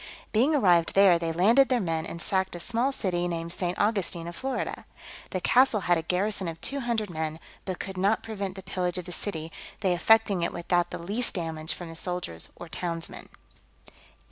Being arrived there, they landed their men, and sacked a small city named St. Augustine of Florida. The castle had a garrison of two hundred men, but could not prevent the pillage of the city, they effecting it without the least damage from the soldiers or townsmen.